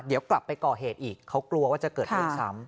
เดี๋ยวกลับไปก่อเหตุอีกเขากลัวว่าจะเกิดเรื่องซ้ำ